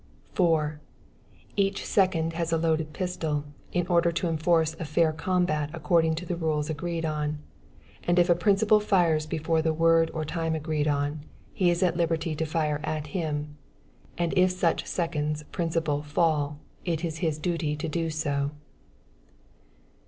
4. Each second has a loaded pistol, in order to enforce a fair combat according to the rules agreed on; and if a principal fires before the word or time agreed on, he is at liberty to fire at him, and if such second's principal fall, it is his duty to do so.